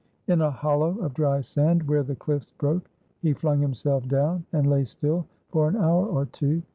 In a hollow of dry sand, where the cliffs broke, he flung himself down, and lay still for an hour or two.